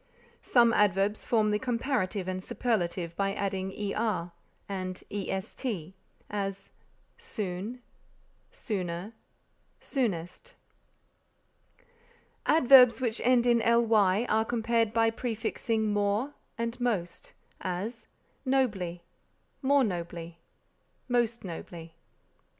Some adverbs form the comparative and superlative by adding er and est; as, soon, sooner, soonest. Adverbs which end in ly are compared by prefixing more and most; as, nobly, more nobly, most nobly.